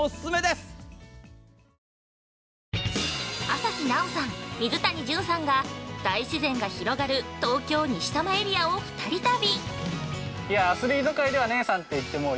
◆朝日奈央さん、水谷隼さんが大自然が広がる東京・西多摩エリアを２人旅！